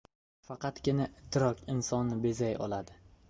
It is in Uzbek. • Faqatgina idrok insonni bezay oladi.